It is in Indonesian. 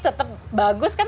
tetap bagus kan